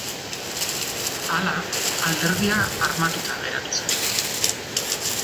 Hala, Alderdia armatuta geratu zen.